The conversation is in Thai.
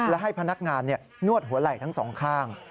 และให้พนักงานนวดหัวไหล่ทั้งสองข้าง